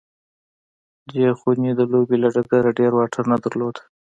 دې خونې د لوبې له ډګره ډېر واټن نه درلود